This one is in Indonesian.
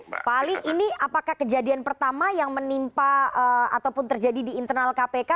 pak ali ini apakah kejadian pertama yang menimpa ataupun terjadi di internal kpk